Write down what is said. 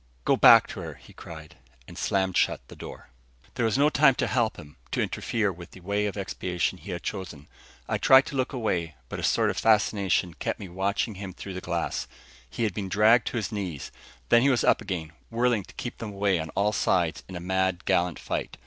"Go back to her," he cried, and slammed shut the door. There was no time to help him, to interfere with the way of expiation he had chosen. I tried to look away, but a sort of fascination kept me watching him through the glass. He had been dragged to his knees. Then he was up again, whirling to keep them away on all sides in a mad, gallant fight.